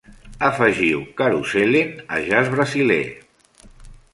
Afegiu "Karusellen" a jazz brasiler